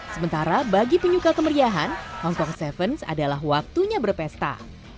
sementara bagi penyuka kemeriahan hongkong sevens adalah waktunya berpesta